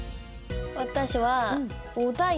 私は。